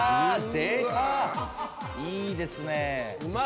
いいですね。